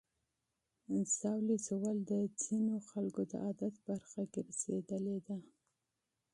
ژاوله ژوول د ځینو خلکو د عادت برخه ګرځېدلې ده.